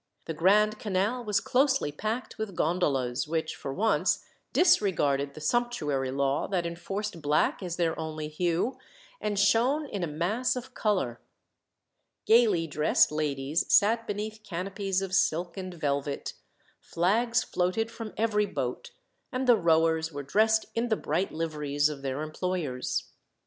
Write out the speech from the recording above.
The Grand Canal was closely packed with gondolas, which, for once, disregarded the sumptuary law that enforced black as their only hue, and shone in a mass of colour. Gaily dressed ladies sat beneath canopies of silk and velvet; flags floated from every boat, and the rowers were dressed in the bright liveries of their employers.